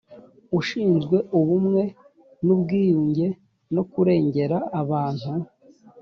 ashinzwe ubumwe n ubwiyunge no kurengera abantu